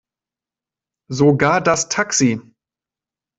Sogar das Taxi.